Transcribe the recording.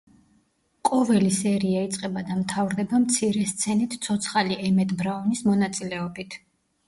ყოველი სერია იწყება და მთავრდება მცირე სცენით „ცოცხალი“ ემეტ ბრაუნის მონაწილეობით.